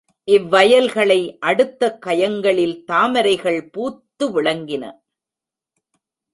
இவ்வயல்களை அடுத்த கயங்களில் தாமரைகள் பூத்து விளங்கின.